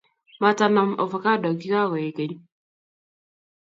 matanam ovakado kigaoek keny